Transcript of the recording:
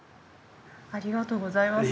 ありがとうございます。